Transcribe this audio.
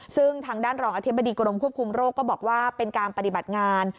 ซึ่งทางด้านรองอธิบดีกรมควบคุมโรคก็บอกว่าเป็นการปฏิบัติงาน